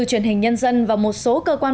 truyền hình nhân dân và một số cơ quan